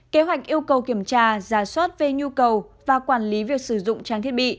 kế hoạch yêu cầu kiểm tra giả soát về nhu cầu và quản lý việc sử dụng trang thiết bị